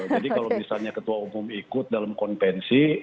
jadi kalau misalnya ketua umum ikut dalam konvensi